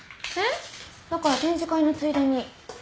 だから展示会のついでに。